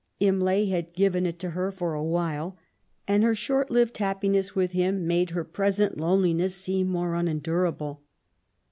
Imlay had given it to her for a while, and her short lived happiness with him made her present loneliness seem more unendurable.